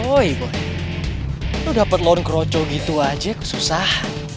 woy boy lo dapet loan kroco gitu aja susah